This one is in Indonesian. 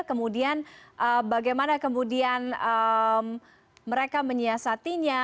kemudian bagaimana kemudian mereka menyiasatinya